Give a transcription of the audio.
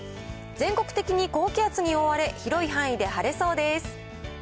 全国的に高気圧に覆われ、広い範囲で晴れそうです。